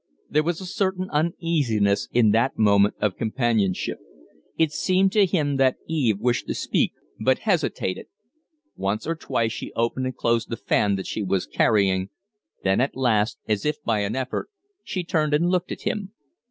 There was a certain uneasiness in that moment of companionship. It seemed to him that Eve wished to speak, but hesitated. Once or twice she opened and closed the fan that she was carrying, then at last, as if by an effort, she turned and looked at him.